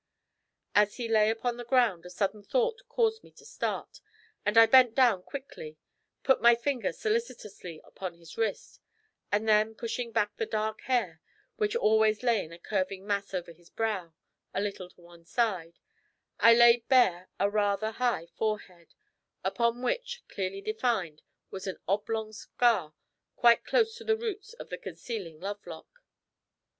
As he lay upon the ground a sudden thought caused me to start; and I bent down quickly, put my finger solicitously upon his wrist, and then pushing back the dark hair, which always lay in a curving mass over his brow, a little to one side, I laid bare a rather high forehead, upon which, clearly defined, was an oblong scar quite close to the roots of the concealing lovelock.